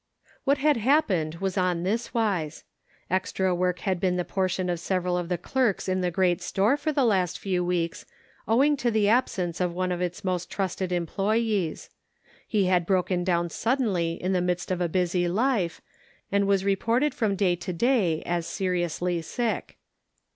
What had happened was on this wise. Extra work had been the portion of several of the clerks in the great store for the last few weeks owing to the absence of one of its most trusted employes. He had broken down sud denly in the midst of a busy life, and was re ported from day to day as seriously sick.